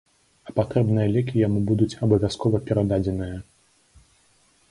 А патрэбныя лекі яму будуць абавязкова перададзеныя.